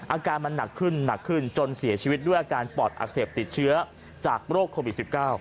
อาการมันหนักขึ้นหนักขึ้นจนเสียชีวิตด้วยอาการปอดอักเสบติดเชื้อจากโรคโควิด๑๙